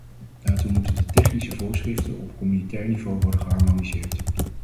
Daartoe moeten de technische voorschriften op communautair niveau worden geharmoniseerd.